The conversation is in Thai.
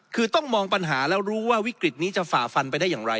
คือต้องมองปัญหาแล้วรู้ว่าวิกฤตนี้จะฝ่าฟันไปได้อย่างไร